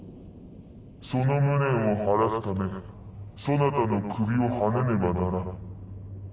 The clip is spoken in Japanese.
その無念を晴らすためそなたの首をはねねばならん。